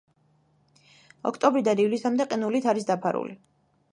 ოქტომბრიდან ივლისამდე ყინულით არის დაფარული.